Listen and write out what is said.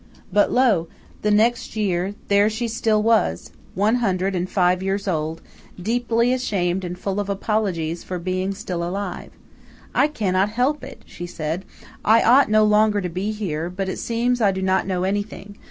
But, lo! the next year there she still was one hundred and five years old, deeply ashamed and full of apologies for being still alive. "I cannot help it," she said. "I ought no longer to be here, but it seems I do not know anything.